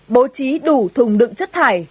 bố trí đủ thùng đựng chất thải